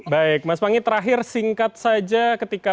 baik mas panggi terakhir singkat saja ketika